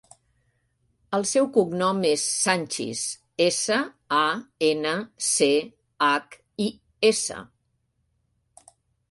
El seu cognom és Sanchis: essa, a, ena, ce, hac, i, essa.